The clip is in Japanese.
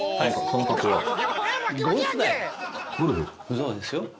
そうですよ。